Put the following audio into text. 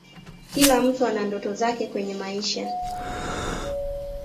kila mtu ana ndoto zake kwenye maisha